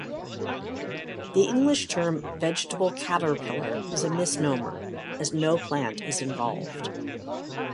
The English term "vegetable caterpillar" is a misnomer, as no plant is involved.